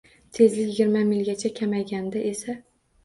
Tezlik yigirma milgacha kamayganda esa